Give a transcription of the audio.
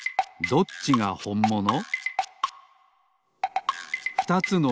どっちがほんもの？